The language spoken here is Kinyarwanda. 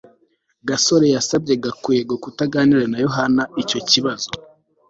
gasore yasabye gakwego kutaganira na yohana icyo kibazo